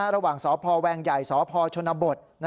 ระหว่างสพแวงใหญ่สพชนบท